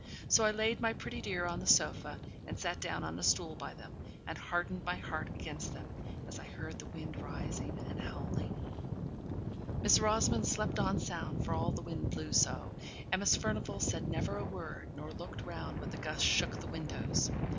So I laid my pretty dear on the sofa, and sat down on a stool by them, and hardened my heart against them, as I heard the wind rising and howling. Miss Rosamond slept on sound, for all the wind blew so Miss Furnivall said never a word, nor looked round when the gusts shook the windows.